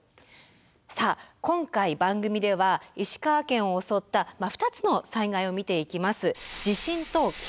さあ今回番組では石川県を襲った２つの災害を見ていきます。